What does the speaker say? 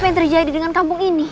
apa yang terjadi dengan kampung ini